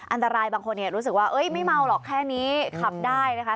อันตรายบางคนรู้สึกว่าไม่เมาหรอกแค่นี้ขับได้นะคะ